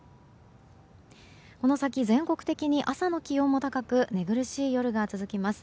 この先、全国的に朝の気温も高く寝苦しい夜が続きます。